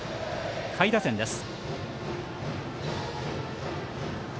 下位打線です。